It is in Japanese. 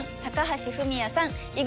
高橋文哉さん